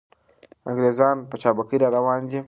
انګریزان په چابکۍ را روان دي.